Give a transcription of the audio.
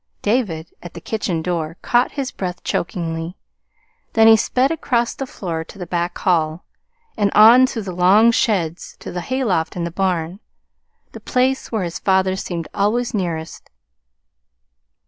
David, at the kitchen door, caught his breath chokingly. Then he sped across the floor to the back hall, and on through the long sheds to the hayloft in the barn the place where his father seemed always nearest.